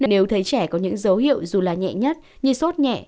nếu thấy trẻ có những dấu hiệu dù là nhẹ nhất như sốt nhẹ